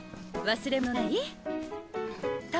忘れ物ない？